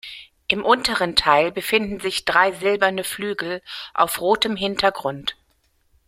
Im unteren Teil befinden sich drei silberne Flügel auf rotem Hintergrund.